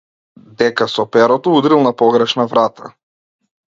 Дека со перото удрил на погрешна врата.